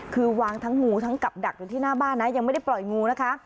คือวางทั้งงูทั้งกับดักอยู่ที่หน้าบ้านนะยังไม่ได้ปล่อยงูนะคะ